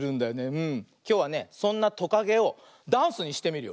きょうはねそんなトカゲをダンスにしてみるよ。